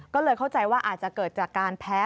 ก็เลยเข้าใจว่าอาจจะเกิดจากการแพ้